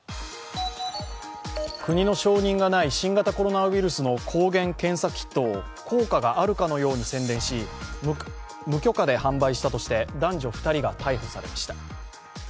国の承認がない新型コロナウイルスの抗原検査キットを効果があるかのように宣伝し、無許可で販売したとして男女２人が逮捕されました。